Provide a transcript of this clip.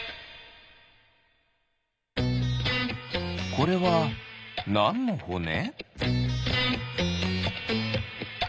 これはなんのほね？